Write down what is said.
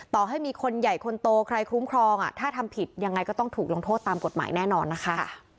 ต่อให้มีคนใหญ่คนโตใครคุ้มครองถ้าทำผิดยังไงก็ต้องถูกลงโทษตามกฎหมายแน่นอนนะคะ